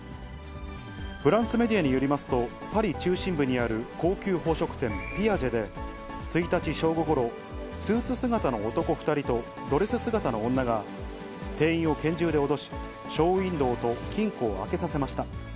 フランスメディアによりますと、パリ中心部にある高級宝飾店、ピアジェで、１日正午ごろ、スーツ姿の男２人とドレス姿の女が、店員を拳銃で脅し、ショーウインドーと金庫を開けさせました。